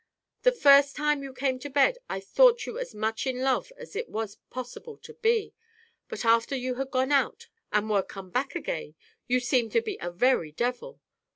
The first time you came to bed I thought you as much in love as it was possible to be ; but after you had gone out and were come back again, you seemed to be a very devil.